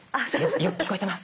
よく聞こえてます